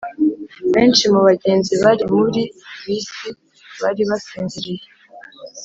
benshi mu bagenzi bari muri bisi bari basinziriye.